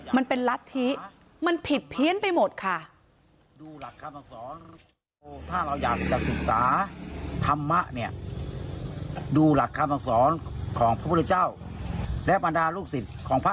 มันเป็นรัฐธิมันผิดเพี้ยนไปหมดค่ะ